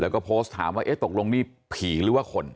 แล้วก็ถามว่าแอ๊ะตกลงมีผีหรือว่าคน